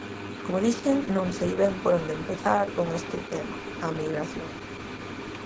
Como dixen, non sei ben por onde empezar con este tema: a migración.